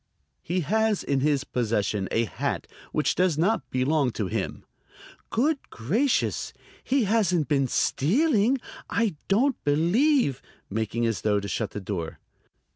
"He has in his possession a hat which does not belong to him." "Good gracious, he hasn't been stealing? I don't believe" making as though to shut the door.